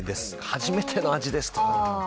初めての味ですとか。